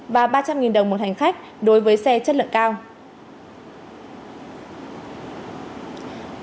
và ba trăm linh đồng một hành khách đối với xe chất lượng cao